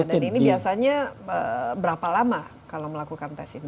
dan ini biasanya berapa lama kalau melakukan tes ini